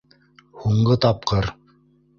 Һуңғы тапҡыр.